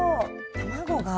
卵が。